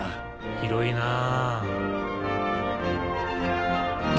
広いなぁ。